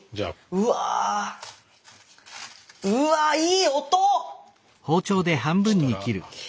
うわいい音！ＯＫ